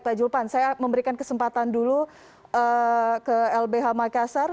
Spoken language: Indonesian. pak julpan saya memberikan kesempatan dulu ke lbh makassar